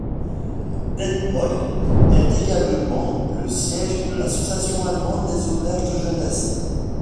Detmold est également le siège de l’association allemande des auberges de jeunesse.